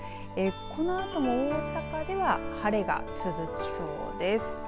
このあとも大阪では晴れが続きそうです。